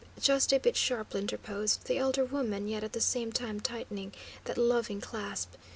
just a bit sharply interposed the elder woman, yet at the same time tightening that loving clasp.